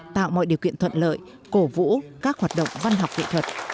tạo mọi điều kiện thuận lợi cổ vũ các hoạt động văn học nghệ thuật